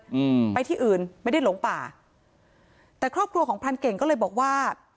อืมไปที่อื่นไม่ได้หลงป่าแต่ครอบครัวของพรานเก่งก็เลยบอกว่า